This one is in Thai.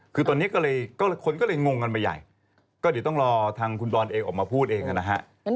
คือตอนนี้ก็เลยคนก็เลยงงกันไปใหญ่ก็เดี๋ยวต้องรอทางคุณบอลเองออกมาพูดเองนะฮะ